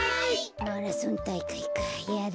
マラソンたいかいかいやだな。